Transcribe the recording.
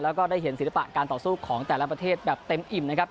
แล้วก็ได้เห็นศิลปะการต่อสู้ของแต่ละประเทศแบบเต็มอิ่มนะครับ